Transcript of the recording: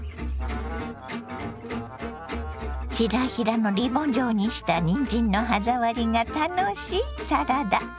ヒラヒラのリボン状にしたにんじんの歯触りが楽しいサラダ。